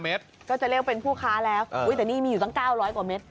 เมตรก็จะเรียกว่าเป็นผู้ค้าแล้วแต่นี่มีอยู่ตั้ง๙๐๐กว่าเม็ด